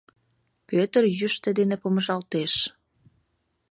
Пӧтыр йӱштӧ дене помыжалтеш.